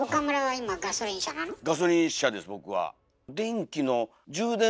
ガソリン車です僕は。